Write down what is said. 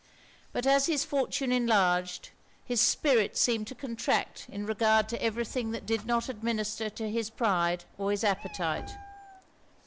But as his fortune enlarged, his spirit seemed to contract in regard to every thing that did not administer to his pride or his appetite.